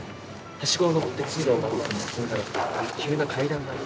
梯子を上って通路を真っ直ぐ進んだら急な階段がある。